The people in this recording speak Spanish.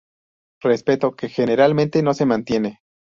Respeto que generalmente no se mantiene.